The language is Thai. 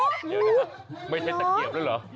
เย็นแล้วไม่ใช่ตะเกียบหรือ